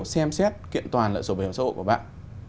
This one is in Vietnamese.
xem xét kiện toàn lại sổ bảo hiểm xã hội của bạn